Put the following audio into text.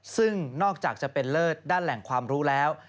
ซึ่งนอกจากจะเป็นเลิศด้านแหล่งความรู้แล้ว